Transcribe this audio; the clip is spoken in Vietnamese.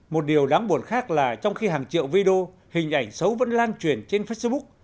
một điều đáng buồn khác là trong khi hàng triệu video hình ảnh xấu vẫn lan truyền trên facebook